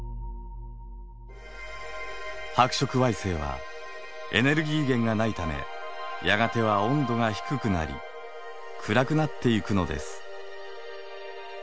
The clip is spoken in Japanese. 白色矮星はエネルギー源がないためやがては温度が低くなり暗くなっていくのです。